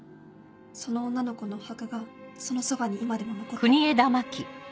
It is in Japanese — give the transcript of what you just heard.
その女の子のお墓がそのそばに今でも残ってるの。